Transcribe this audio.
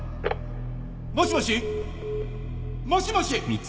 もしもし？もしもし！？